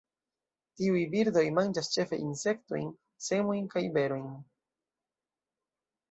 Tiuj birdoj manĝas ĉefe insektojn, semojn kaj berojn.